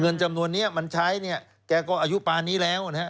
เงินจำนวนนี้มันใช้เนี่ยแกก็อายุปานนี้แล้วนะฮะ